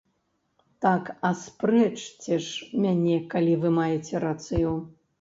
Так аспрэчце ж мяне, калі вы маеце рацыю!